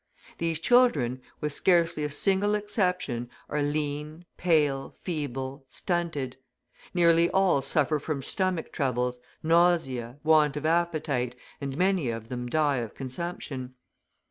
These children, with scarcely a single exception, are lean, pale, feeble, stunted; nearly all suffer from stomach troubles, nausea, want of appetite, and many of them die of consumption.